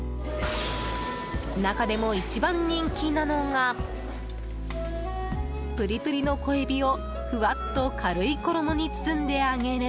中でも一番人気なのがプリプリの小海老をふわっと軽い衣に包んで揚げる